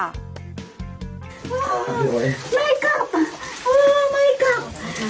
ไม่กลับไม่กลับ